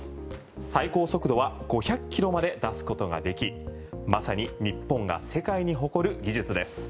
最高速度は５００キロまで出すことができまさに日本が世界に誇る技術です。